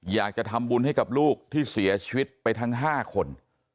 อยากจะทำบุญให้กับลูกที่เสียชีวิตไปทั้ง๕คน